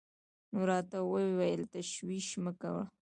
نو راته وويل تشويش مه کړه.